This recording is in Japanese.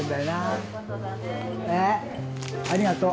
ありがとう。